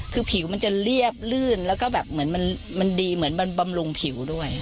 คือผิวมันจะเรียบลื่นแล้วก็แบบเหมือนมันดีเหมือนมันบำรุงผิวด้วย